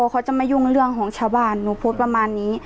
เขาจะไม่ยุ่งเรื่องของชาวบ้านหนูพูดประมาณนี้